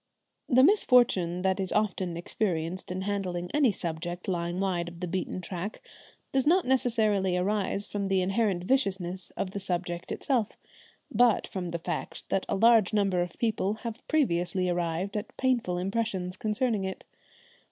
The misfortune that is often experienced in handling any subject lying wide of the beaten track does not necessarily arise from the inherent viciousness of the subject itself, but from the fact that a large number of people have previously arrived at painful impressions concerning it.